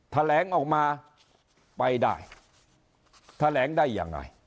แถลงออกมาไปได้แถลงได้ยังไง